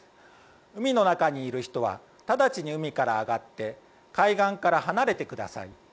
海の中にいる人は直ちに海から上がって海岸から離れてください。